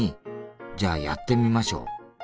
じゃあやってみましょう。